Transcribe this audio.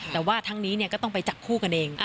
แต่ว่าทั้งนี้ก็ต้องไปจับคู่กันเอง